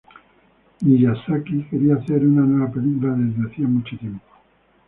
Miyazaki quería hacer una nueva película desde hacía mucho tiempo.